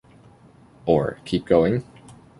Or, keep going?